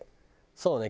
そうね。